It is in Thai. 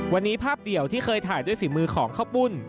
วันนี้ภาพเดี่ยวที่เคยถ่ายด้วยฝีมือของข้าวปุ้น